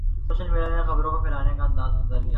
Social media نے خبروں کو پھیلانے کا انداز بدل دیا ہے۔